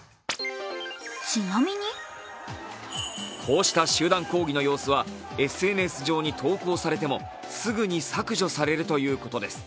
こうした集団抗議の様子はＳＮＳ上に投稿されてもすぐに削除されるということです。